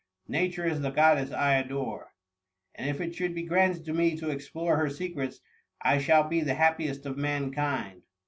Nature is the goddess I adore ;. and if it should be granted to me to explore her secrets, I shall be the happiest of mankind.